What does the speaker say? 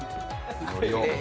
のりを。